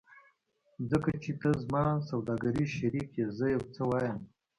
ځکه چې ته زما سوداګریز شریک یې زه یو څه وایم